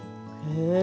へえ。